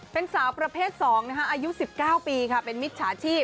เป็นสาวประเภท๒อายุ๑๙ปีค่ะเป็นมิจฉาชีพ